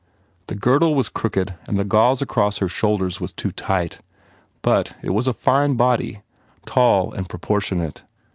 The girdle was crooked and the gauze across her shoulders was too tight. But it was a fine body, tall and proportionate.